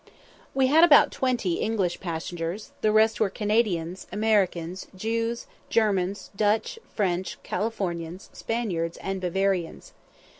We had about twenty English passengers; the rest were Canadians, Americans, Jews, Germans, Dutch, French, Californians, Spaniards, and Bavarians.